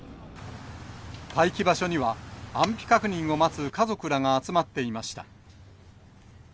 待機場所には、安否確認を待つ家族らが集まっていました。